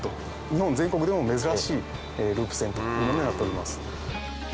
日本全国でも珍しいループ線というものになっております。